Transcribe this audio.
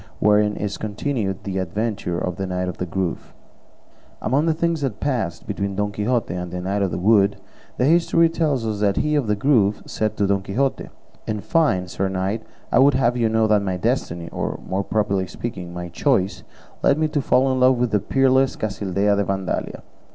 WHEREIN IS CONTINUED THE ADVENTURE OF THE KNIGHT OF THE GROVE Among the things that passed between Don Quixote and the Knight of the Wood, the history tells us he of the Grove said to Don Quixote, "In fine, sir knight, I would have you know that my destiny, or, more properly speaking, my choice led me to fall in love with the peerless Casildea de Vandalia.